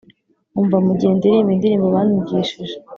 umva mugihe ndirimba indirimbo banyigishije